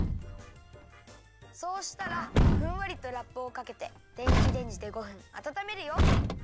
そうしたらふんわりとラップをかけて電子レンジで５分あたためるよ。